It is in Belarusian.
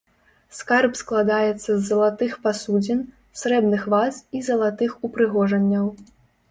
Скарб складаецца з залатых пасудзін, срэбных ваз і залатых упрыгожанняў.